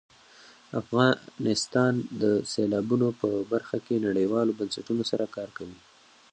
افغانستان د سیلابونو په برخه کې نړیوالو بنسټونو سره کار کوي.